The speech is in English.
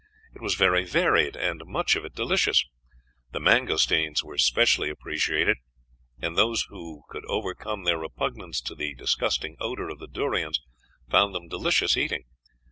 It was very varied, and much of it delicious; the mangosteens were specially appreciated, and those who could overcome their repugnance to the disgusting odor of the durians found them delicious eating.